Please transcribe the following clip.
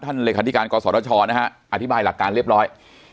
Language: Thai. เลขาธิการกศชนะฮะอธิบายหลักการเรียบร้อย